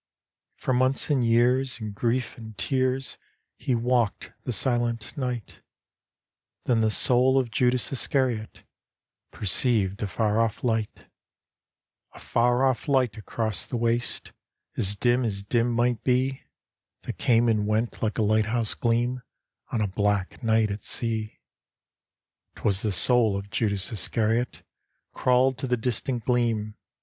For months and years, in grief and tears, He walked the silent night, Then the soul of Judas Iscariot Perceived z far o£E lighL D,gt,, erihyGOOglC The Ballad of Judas Iscariot 209 A far off light across the waste, As dim as dim might be, That came and went like a lighthouse gleam, On a black night at sea, Twas the soul of Judas Iscariot, Crawled to the distant gleam.